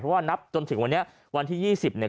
เพราะว่านับจนถึงวันนี้วันที่๒๐เนี่ย